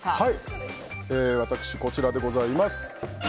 私、こちらでございます。